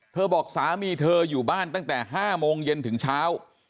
บอกสามีเธออยู่บ้านตั้งแต่๕โมงเย็นถึงเช้า